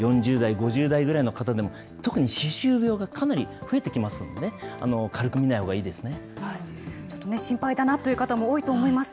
４０代、５０代ぐらいの方でも、歯周病がかなり増えてきますので、ちょっと心配だなという方も多いと思います。